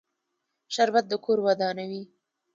شربت د کور ودانوي